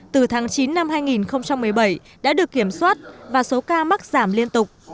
từ tháng chín năm hai nghìn một mươi bảy đã được kiểm soát và số ca mắc giảm liên tục